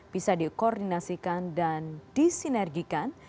bisa dikoordinasikan dan disinergikan